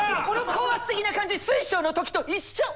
この高圧的な感じ水晶のときと一緒！